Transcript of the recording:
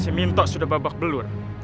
si minto sudah babak belur